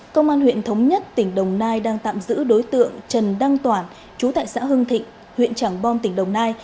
công an huyện thống nhất tỉnh đồng nai đang tạm giữ đối tượng trần đăng toản chú tại xã hưng thịnh huyện trảng bom tỉnh đồng nai